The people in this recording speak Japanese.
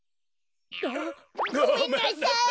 ごめんなさい！